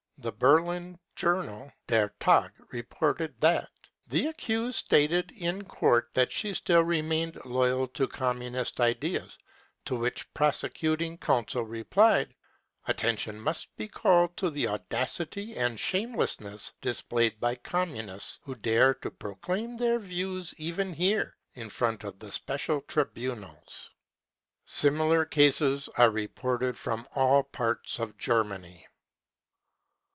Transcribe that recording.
The Berlin journal Der Tag reported 'that : 340 BROWN BOOK OF THE HITLER TERROR " The accused stated in court that she still remained loyal to Communist ideas, to which prosecuting counsel replied : c Attention must be called to the audacity and shamelessness displayed by Communists, who dare to proclaim their views even here in front of the special tribunals .' 55 Similar cases are reported from all parts of Germany.